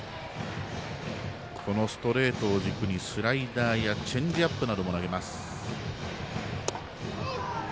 このストレートを軸にスライダーやチェンジアップなども投げます。